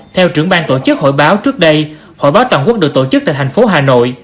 theo trưởng bang tổ chức hội báo trước đây hội báo toàn quốc được tổ chức tại tp hcm